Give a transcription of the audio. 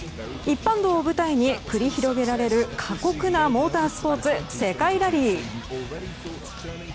一般道を舞台に繰り広げられる過酷なモータースポーツ世界ラリー。